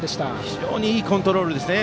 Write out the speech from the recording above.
非常にいいコントロールですね。